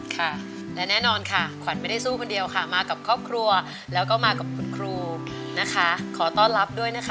ค่ะและแน่นอนค่ะขวัญไม่ได้สู้คนเดียวค่ะมากับครอบครัวแล้วก็มากับคุณครูนะคะขอต้อนรับด้วยนะคะ